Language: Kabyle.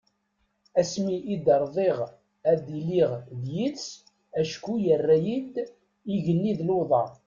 Asmi i d-rḍiɣ ad iliɣ d yid-s acku yerra-iy-d igenni d luḍa.